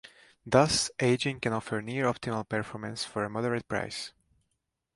Thus, aging can offer near-optimal performance for a moderate price.